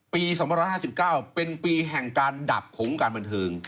ปี๒๕๙เป็นปีแห่งการดับของการบันเทิง